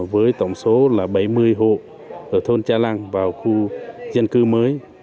với tổng số là bảy mươi hộ ở thôn tra lăng vào khu dân cư mới